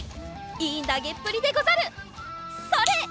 いいなげっぷりでござるそれ！